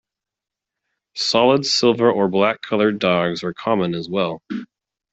Solid silver or black coloured dogs are common as well.